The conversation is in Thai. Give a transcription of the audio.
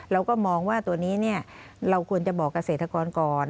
เราก็มองว่าตัวนี้เราควรจะบอกเกษตรกรก่อน